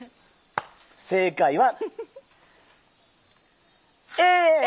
正解はＡ！